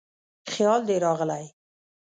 خیال دې راغلی